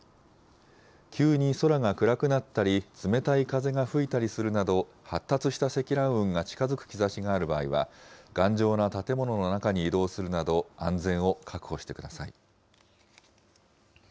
急に空が暗くなったり、冷たい風が吹いたりするなど、発達した積乱雲が近づく兆しがある場合は、頑丈な建物の中に移動するなど、安全を確保してください。